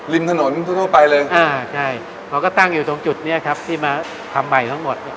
ริมถนนทั่วไปเลยอ่าใช่เขาก็ตั้งอยู่ตรงจุดนี้ครับที่มาทำใหม่ทั้งหมด